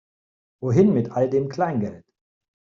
Wohin mit all dem Kleingeld?